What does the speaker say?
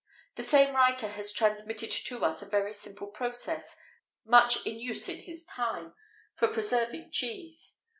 [XVIII 59] The same writer has transmitted to us a very simple process, much in use in his time, for preserving cheese.